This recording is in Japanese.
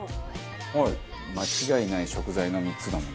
間違いない食材の３つだもんな。